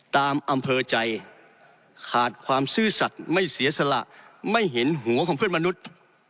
อำเภอใจขาดความซื่อสัตว์ไม่เสียสละไม่เห็นหัวของเพื่อนมนุษย์